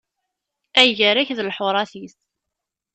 Ay gar-ak d lḥuṛat-is!